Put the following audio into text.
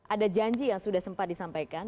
ada janji yang sudah sempat disampaikan